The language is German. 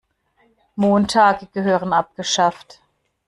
Montage gehören abgeschafft.